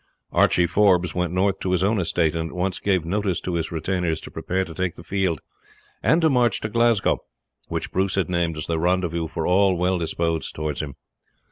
Archie Forbes went north to his own estate, and at once gave notice to his retainers to prepare to take the field, and to march to Glasgow, which Bruce had named as the rendezvous for all well disposed towards him.